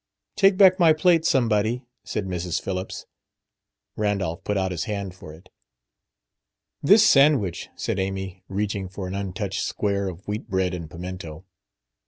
"Take back my plate, somebody," said Mrs. Phillips. Randolph put out his hand for it. "This sandwich," said Amy, reaching for an untouched square of wheat bread and pimento.